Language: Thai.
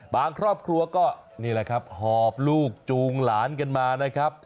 ครอบครัวก็นี่แหละครับหอบลูกจูงหลานกันมานะครับ